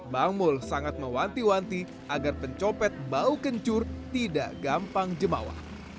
bang mul sangat mewanti wanti agar pencopet bau kencur tidak gampang jemawa